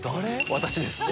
私です。